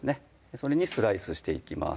それにスライスしていきます